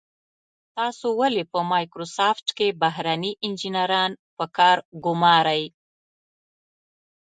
تاسو ولې په مایکروسافټ کې بهرني انجنیران په کار ګمارئ.